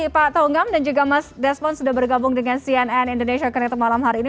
terima kasih pak taunggam dan juga mas desmond sudah bergabung dengan cnn indonesia connect malam hari ini